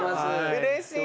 うれしい。